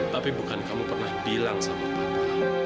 tapi bukan kamu pernah bilang sama bapak